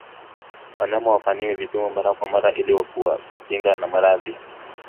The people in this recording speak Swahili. Wanyama wafanyiwe vipimo mara kwa mara ili kuwakinga na maradhi